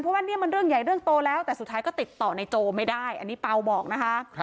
เพราะว่าเนี่ยมันเรื่องใหญ่เรื่องโตแล้วแต่สุดท้ายก็ติดต่อในโจไม่ได้อันนี้เปล่าบอกนะคะ